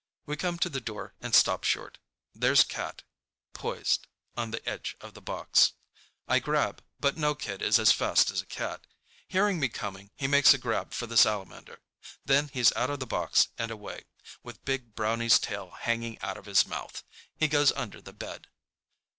We come to the door and stop short. There's Cat, poised on the edge of the box. I grab, but no kid is as fast as a cat. Hearing me coming, he makes his grab for the salamander. Then he's out of the box and away, with Big Brownie's tail hanging out of his mouth. He goes under the bed.